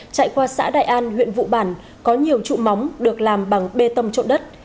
chạy qua xã đại an huyện vụ bản có nhiều trụ móng được làm bằng bê tông trộn đất